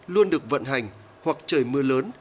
luôn được vận hành hoặc trời mưa lớn